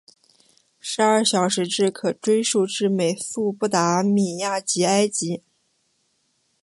十二小时制可追溯至美索不达米亚及埃及。